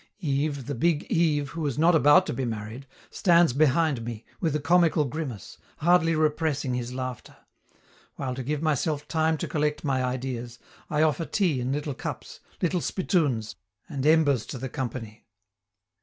Yves, the big Yves, who is not about to be married, stands behind me, with a comical grimace, hardly repressing his laughter while to give myself time to collect my ideas, I offer tea in little cups, little spittoons, and embers to the company.